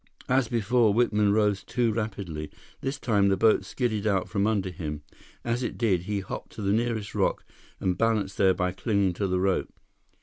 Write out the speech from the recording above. As before, Whitman rose too rapidly. This time, the boat skidded out from under him; as it did, he hopped to the nearest rock and balanced there by clinging to the rope.